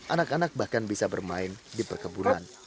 anak anak bahkan bisa bermain di perkebunan